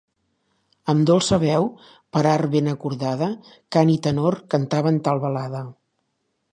Amb dolça veu, per art ben acordada, cant i tenor, cantaven tal balada.